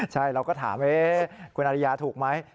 ใช่เราก็ถามคุณอริยาถูกไหม